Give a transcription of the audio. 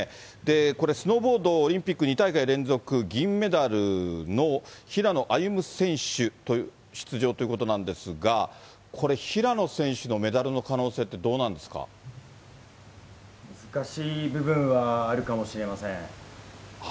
これ、スノーボードオリンピック２大会連続銀メダルの平野歩夢選手出場ということなんですが、これ、平野選手のメダルの可能性ってどう難しい部分はあるかもしれません。